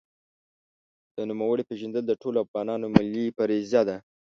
د نوموړي پېژندل د ټولو افغانانو ملي فریضه ده.